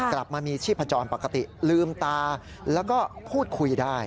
กลับมามีชีพจรปกติลืมตาแล้วก็พูดคุยได้